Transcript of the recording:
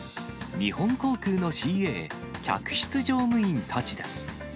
日本航空のＣＡ・客室乗務員たちです。